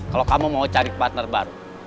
kalau kamu mau cari partner baru